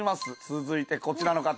続いてこちらの方。